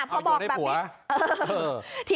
สรุปของหัวนะ